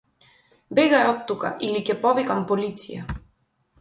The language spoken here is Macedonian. Бегај оттука или ќе повикам полиција.